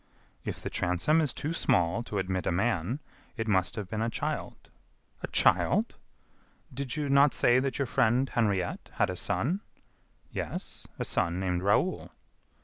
"If the transom is too small to admit a man, it must have been a child." "A child!" "Did you not say that your friend Henriette had a son?" "Yes; a son named Raoul."